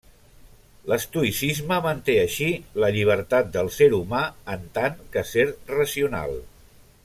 L'estoïcisme manté així la llibertat del ser humà en tant que ser racional.